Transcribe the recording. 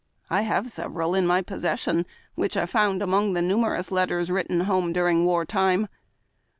I have several in my possession which I found among the numerous letters written home during war time.